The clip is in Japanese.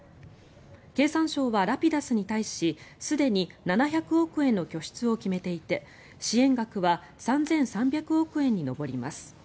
経産省はラピダスに対しすでに７００億円の拠出を決めていて支援額は３３００億円に上ります。